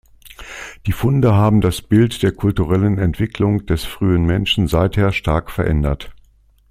Die Funde haben das Bild der kulturellen Entwicklung des frühen Menschen seither stark verändert.